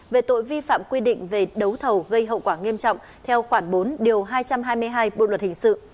về tội vi phạm quy định về đấu thầu gây hậu quả nghiêm trọng theo khoảng bốn điều hai trăm hai mươi hai bộ luật hình sự